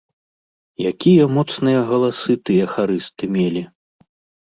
Якія моцныя галасы тыя харысты мелі!